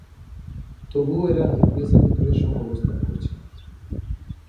তবুও এরা নিউক্লিয়াসের ভিতরে সহাবস্থান করছে।